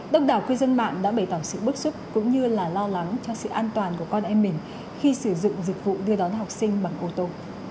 đông đảo cư dân mạng đã bày tỏ sự bức xúc cũng như là lo lắng cho sự an toàn của con em mình khi sử dụng dịch vụ đưa đón học sinh bằng ô tô